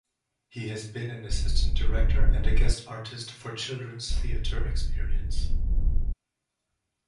He has been an Assistant Director and a Guest Artist for Children's Theatre Experience.